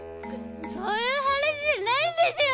そういう話じゃないんですよう！